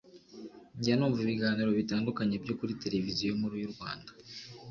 njya numva ibiganiro bitandukanye byo kuri televiziyo nkuru y’ u rwanda